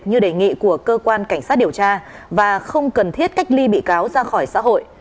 như đề nghị của cơ quan cảnh sát điều tra và không cần thiết cách ly bị cáo ra khỏi xã hội